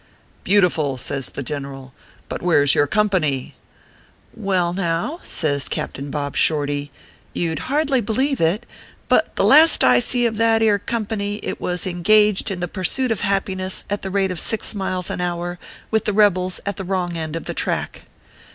"Beautiful!" says the general; "but where is your company ?" "Well, now," says Captain Bob Shorty, "you d hardly believe it ; but the last I see of that ere com pany, it was engaged in the pursuit of happiness at the rate of six miles an hour, with the rebels at the wrong end of the track.